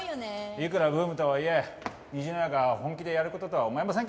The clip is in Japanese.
いくらブームとはいえ虹の屋が本気でやる事とは思えませんけどね。